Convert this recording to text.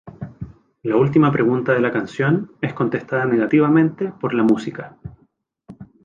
La última pregunta de la canción, es contestada negativamente por la música.